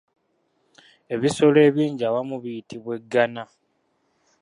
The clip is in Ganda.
Ebisolo ebingi awamu biyitibwa eggana.